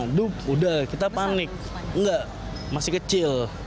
aduh udah kita panik enggak masih kecil